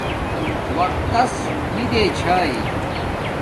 وقت تس نی دے چھاݵ